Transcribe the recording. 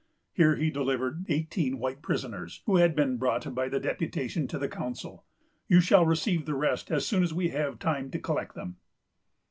[Here he delivered eighteen white prisoners, who had been brought by the deputation to the council.] You shall receive the rest as soon as we have time to collect them."